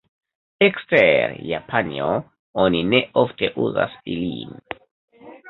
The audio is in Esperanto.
Ekster Japanio, oni ne ofte uzas ilin.